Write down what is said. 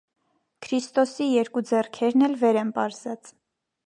Քրիստոսի երկու ձեռքերն էլ վեր են պարզած։